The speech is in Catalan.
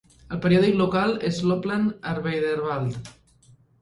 El periòdic local és l'"Oppland Arbeiderblad".